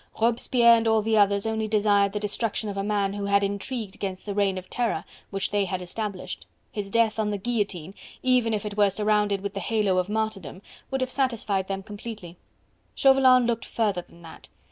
Robespierre and all the others only desired the destruction of a man who had intrigued against the reign of terror which they had established; his death on the guillotine, even if it were surrounded with the halo of martyrdom, would have satisfied them completely. Chauvelin looked further than that.